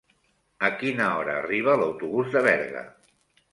A quina hora arriba l'autobús de Berga?